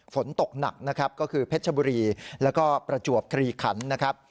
ฝนตกหนักนะครับก็คือเพชรบุรีแล้วก็ประจวบคลีขันนะครับ